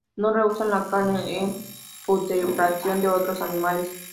No rehúsan la carne en putrefacción de otros animales.